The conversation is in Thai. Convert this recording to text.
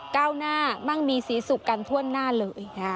ก้าวหน้ามั่งมีศรีสุขกันทั่วหน้าเลย